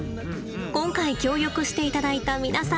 今回協力して頂いた皆さん